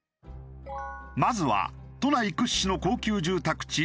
まずは都内屈指の高級住宅地